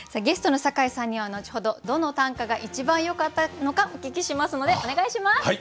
ゲストの酒井さんには後ほどどの短歌が一番よかったのかお聞きしますのでお願いします。